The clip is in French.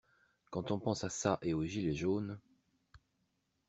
Quand on pense à ça et aux gilets jaunes.